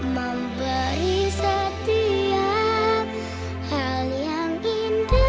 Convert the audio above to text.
memberi setiap hal yang indah